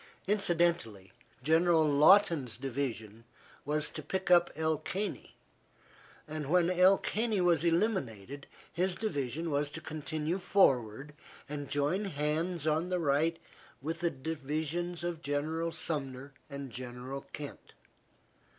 Incidentally, General Lawton's division was to pick up El Caney, and when El Caney was eliminated, his division was to continue forward and join hands on the right with the divisions of General Sumner and General Kent.